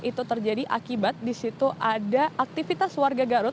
itu terjadi akibat di situ ada aktivitas warga garut